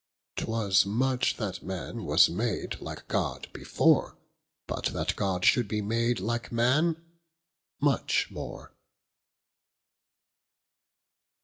'Twas much, that man was made like God before, But, that God should be made like man, much more.